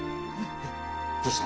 どうした？